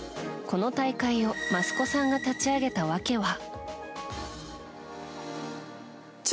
この大会を益子さんが立ち上げたわけは。